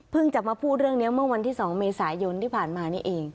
จะมาพูดเรื่องนี้เมื่อวันที่๒เมษายนที่ผ่านมานี่เอง